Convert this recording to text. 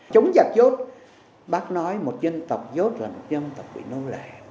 chống giặc dốt bác nói một dân tộc dốt là một dân tộc bị nô lệ